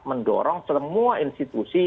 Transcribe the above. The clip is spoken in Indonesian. mendorong semua institusi